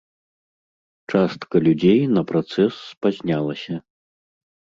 Частка людзей на працэс спазнялася.